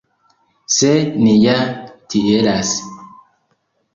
Se ni ja tielas.